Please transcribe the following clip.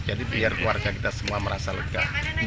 jadi biar keluarga kita semua merasa lega